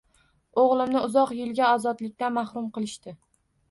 O`g`limni uzoq yilga ozodlikdan mahrum qilishdi